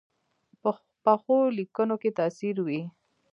پخو لیکنو کې تاثیر وي